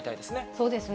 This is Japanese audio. そうですね。